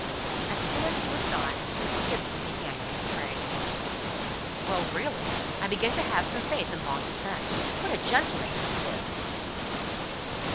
As soon as he was gone, Mrs. Gibson began in his praise. "Well, really, I begin to have some faith in long descent. What a gentleman he is!